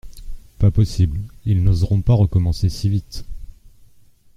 Pas possible, ils n'oseront pas recommencer si vite.